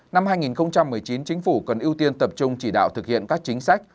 năm hai nghìn một mươi chín chính phủ cần ưu tiên tập trung chỉ đạo thực hiện các chính sách